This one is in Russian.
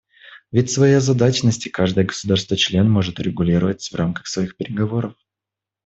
Ведь свои озабоченности каждое государство-член может урегулировать в рамках самих переговоров.